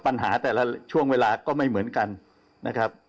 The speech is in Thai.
ปัญหาแต่ละช่วงเวลาก็ไม่เหมือนกันนะครับ